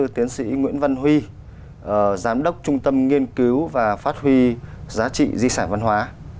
tiến sĩ nguyễn văn huy giám đốc trung tâm nghiên cứu và phát huy giá trị di sản văn hóa